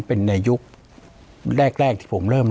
ปากกับภาคภูมิ